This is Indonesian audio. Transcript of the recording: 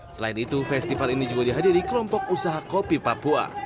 selain itu festival ini juga dihadiri kelompok usaha kopi papua